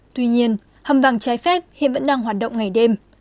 tuy nhiên hầm vàng trái phép hiện vẫn đang hoạt động ngày đêm